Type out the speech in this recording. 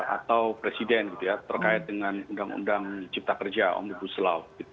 atau presiden gitu ya terkait dengan undang undang cipta kerja om nubu selau gitu